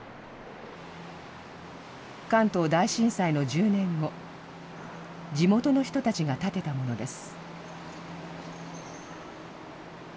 関東大震災の１０年後、地元の人たちが建てたものです。